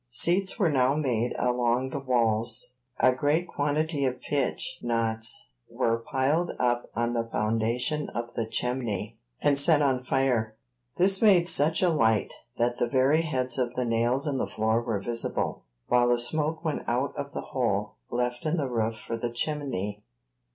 Seats were now made along the walls; a great quantity of pitch knots were piled up on the foundation of the chimney, and set on fire. This made such a light, that the very heads of the nails in the floor were visible, while the smoke went out of the hole left in the roof for the chimney.